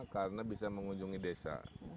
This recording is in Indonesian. karena bisa mengunjungi desa